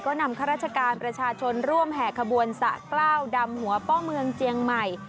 ก็นำข้าราชการประชาชนร่วมแห่ขบวนสะกล้าวดำหัวป้อเมืองเจียงใหม่